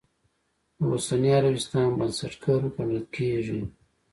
د اوسني عربستان بنسټګر ګڼلی کېږي.